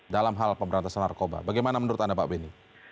dalam hal pemberantasan narkoba bagaimana menurut anda pak beni